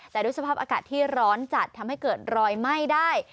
แต่ด้วยสภาพอากาศที่ร้อนจัดทำให้เกิดรอยไหม้ได้